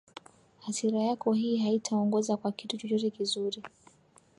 hasira yako hii haitaongoza kwa kitu chochote kizuri